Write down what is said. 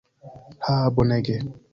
Ha bonege.